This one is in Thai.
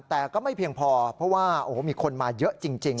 แต่ก็ไม่เพียงพอเพราะว่าโอ้โหมีคนมาเยอะจริง